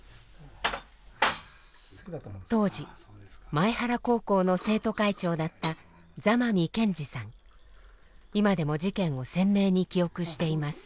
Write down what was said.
当時前原高校の生徒会長だった今でも事件を鮮明に記憶しています。